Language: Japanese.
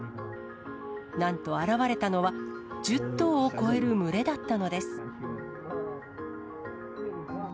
なんと現れたのは、１０頭を超える群れだったのです。